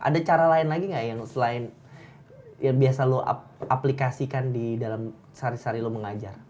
ada cara lain lagi nggak yang selain yang biasa lo aplikasikan di dalam sehari cari lo mengajar